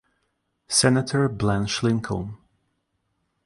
Senator Blanche Lincoln.